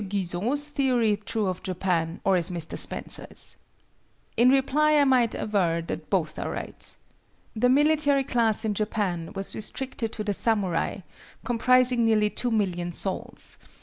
Guizot's theory true of Japan, or is Mr. Spencer's? In reply I might aver that both are right. The military class in Japan was restricted to the samurai, comprising nearly 2,000,000 souls.